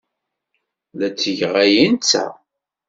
La ttgeɣ aya i netta.